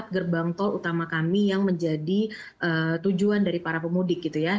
gerbang tol utama kami yang menjadi tujuan dari para pemudik gitu ya